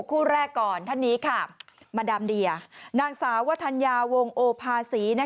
คู่แรกก่อนท่านนี้ค่ะมาดามเดียนางสาววทัญญาวงโอภาษี